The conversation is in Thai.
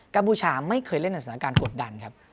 กบูชาไม่เคยเล่นในสถานการณ์กดดันครับ